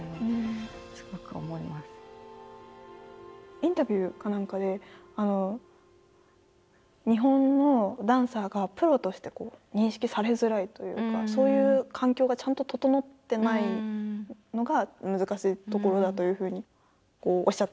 インタビューか何かで日本のダンサーがプロとして認識されづらいというかそういう環境がちゃんと整ってないのが難しいところだというふうにおっしゃってたと思うんですけど。